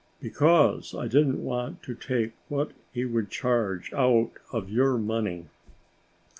"Because I didn't want to take what he would charge out of your money."